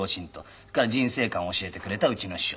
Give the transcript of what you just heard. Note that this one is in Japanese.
それから人生観を教えてくれたうちの師匠。